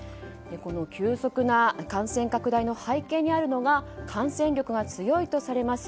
急速な感染拡大の背景にあるのが感染力が強いとされます